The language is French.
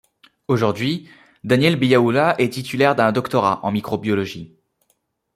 Aujourd'hui, Daniel Biyaoula est titulaire d'un doctorat en microbiologie.